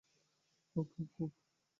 হুপ, হুপ হুপ, হুপ।